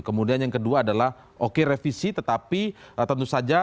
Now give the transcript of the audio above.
kemudian yang kedua adalah oke revisi tetapi tentu saja